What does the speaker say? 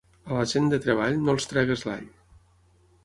A la gent de treball, no els treguis l'all.